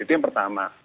itu yang pertama